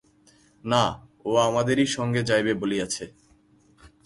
না, ও আমাদেরই সঙ্গে যাইবে বলিয়াছে।